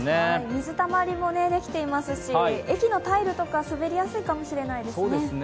水たまりもできていますし駅のタイルとか滑りやすいかもしれないですね。